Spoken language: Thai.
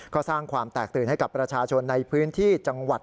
ก็สร้างความแตกตื่นให้กับประชาชนในพื้นที่จังหวัด